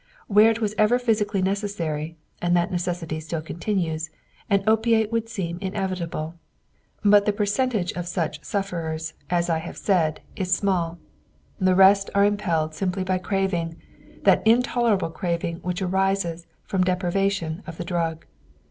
Where it was ever physically necessary, and that necessity still continues, an opiate would seem inevitable. But the percentage of such sufferers, as I have said, is small. The rest are impelled simply by craving that intolerable craving which arises from deprivation of the drug.